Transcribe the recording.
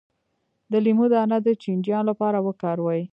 د لیمو دانه د چینجیانو لپاره وکاروئ